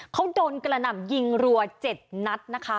เขาโดนกระหน่ำยิงรัว๗นัท